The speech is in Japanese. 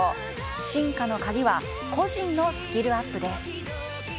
進化の鍵は個人のスキルアップです。